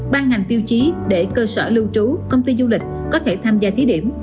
ban ngành tiêu chí để cơ sở lưu trú công ty du lịch có thể tham gia thí điểm